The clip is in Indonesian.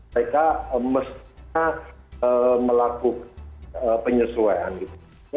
mereka mestinya melakukan penyesuaian gitu